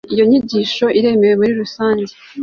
Iyo nyigisho iremewe muri rusange